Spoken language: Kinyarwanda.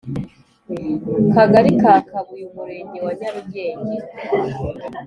Kagari ka Kabuye Umurenge wa Nyarugenge